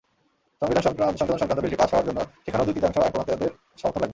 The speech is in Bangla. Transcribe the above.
সংবিধান সংশোধন-সংক্রান্ত বিলটি পাস হওয়ার জন্য সেখানেও দুই-তৃতীয়াংশ আইণপ্রণেতার সমর্থন লাগবে।